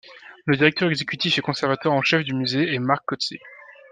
Le directeur exécutif et conservateur en chef du musée est Mark Coetzee.